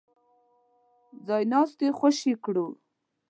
ځای ناستي خوشي کړو.